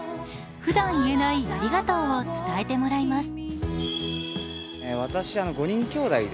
ふだん言えないありがとうを伝えてもらいます。